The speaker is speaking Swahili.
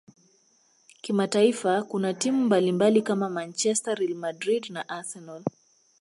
kimataifa kuna timu mbalimbali kama manchester real Madrid na arsenal